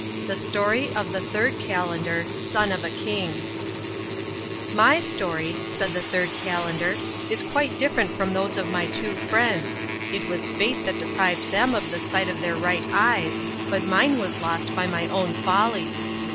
The Story of the Third Calendar, Son of a King My story, said the Third Calender, is quite different from those of my two friends. It was fate that deprived them of the sight of their right eyes, but mine was lost by my own folly.